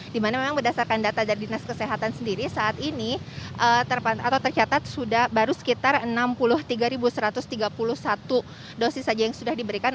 dimana memang berdasarkan data dari dinas kesehatan sendiri saat ini atau tercatat baru sekitar enam puluh tiga satu ratus tiga puluh satu dosis saja yang sudah diberikan